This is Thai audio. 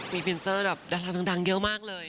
มีเป็นเซอร์แบบดังเยอะมากเลย